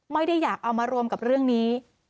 ไม่ได้อยากเอามารวมกับเรื่องนี้